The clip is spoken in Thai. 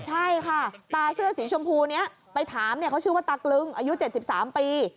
ใช่ค่ะตาเสื้อสีชมพูนี้ไปถามเขาชื่อว่าตากลึงอายุ๗๓ปี